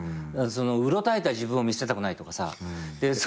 うろたえた自分を見せたくないとかさ。